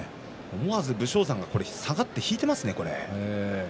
思わず武将山が下がって引いてますね。